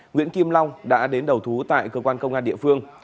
nguyễn kim long đã đến đầu thú tại cơ quan công an địa phương